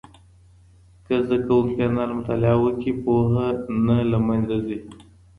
که زده کوونکی انلاین مطالعه وکړي، پوهه نه له منځه ځي.